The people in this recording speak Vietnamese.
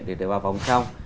để đưa vào vòng trong